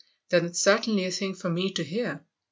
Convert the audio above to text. "Then it's certainly a thing for me to hear."